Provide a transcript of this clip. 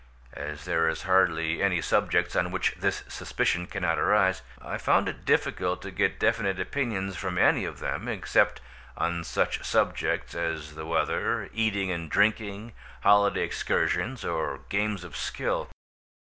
As there is hardly any subject on which this suspicion cannot arise, I found it difficult to get definite opinions from any of them, except on such subjects as the weather, eating and drinking, holiday excursions, or games of skill.